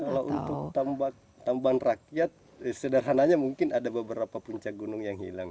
kalau untuk tamban rakyat sederhananya mungkin ada beberapa puncak gunung yang hilang